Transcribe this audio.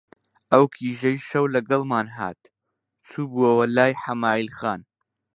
ئەو کیژەی شەو لەگەڵمان هات، چووبووە لای حەمایل خان